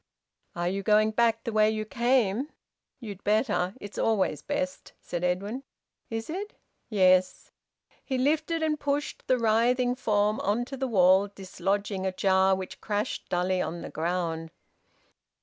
"Are you going back the way you came? You'd better. It's always best," said Edwin. "Is it?" "Yes." He lifted and pushed the writhing form on to the wall, dislodging a jar, which crashed dully on the ground.